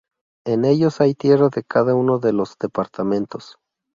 En ellos hay tierra de cada uno de los departamentos.